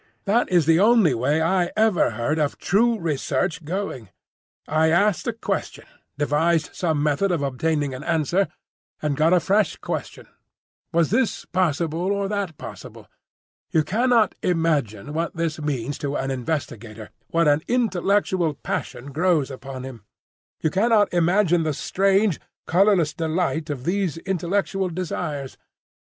That is the only way I ever heard of true research going. I asked a question, devised some method of obtaining an answer, and got a fresh question. Was this possible or that possible? You cannot imagine what this means to an investigator, what an intellectual passion grows upon him! You cannot imagine the strange, colourless delight of these intellectual desires!